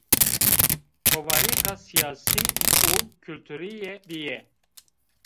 Kovarêka sîyasî û kulturîye bîye